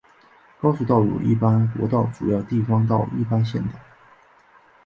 高速道路一般国道主要地方道一般县道